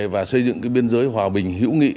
và xây dựng biên giới hòa bình hữu nghị